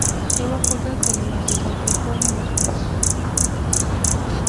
یوه خوږه کلمه د تاوتریخوالي مخه نیسي.